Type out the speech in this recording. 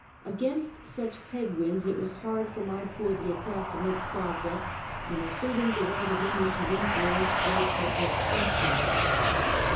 Against such head winds, it was hard for my poor little craft to make progress in asserting the right of women to influence great public questions.